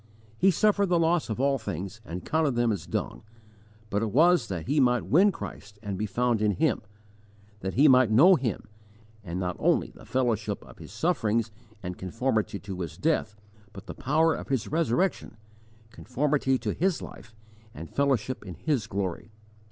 He suffered the loss of all things and counted them as dung, but it was that he might win Christ and be found in Him; that he might know Him, and not only the fellowship of His sufferings and conformity to His death, but the power of His resurrection, conformity to His life, and fellowship in His glory.